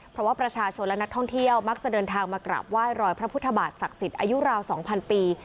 เพราะว่าประชาชนและนักท่องเที่ยวมักจะเดินทางมากราบไหว้รอยพระพุทธบาทศักดิ์สิทธิ์อายุราว๒๐๐ปี